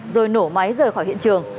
rồi nổ máy rời khỏi hiện trường